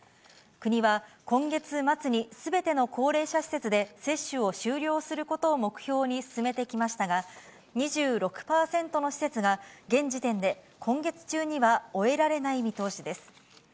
国は、今月末にすべての高齢者施設で接種を終了することを目標に進めてきましたが、２６％の施設が、現時点で今月中には終えられない見通しです。